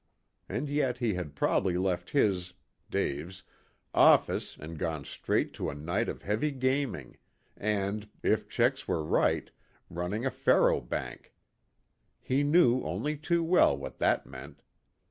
And yet he had probably left his (Dave's) office and gone straight to a night of heavy gaming, and, if Checks were right, running a faro bank. He knew only too well what that meant.